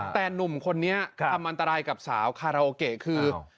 แต่หนุ่มคนนี้ทำอันตรายกับสาวคาราโอเกะคือ